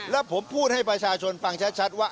แล้วผมพูดให้ประชาชนฟังชัดว่า